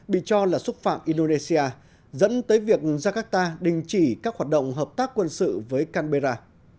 bị cho là xúc phạm indonesia dẫn tới việc jakarta đình chỉ các hoạt động hợp tác quân sự với canberra